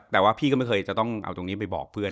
แต่ว่าพี่ก็ไม่เคยจะต้องเอาตรงนี้ไปบอกเพื่อน